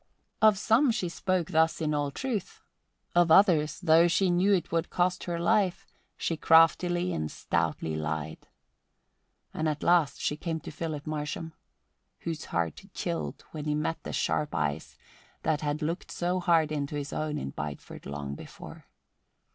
Of some she spoke thus in all truth; of others, though she knew it would cost her life, she craftily and stoutly lied. And at last she came to Philip Marsham, whose heart chilled when he met the sharp eyes that had looked so hard into his own in Bideford long before.